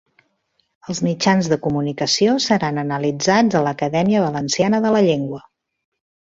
Els mitjans de comunicació seran analitzats a l'Acadèmia Valenciana de la Llengua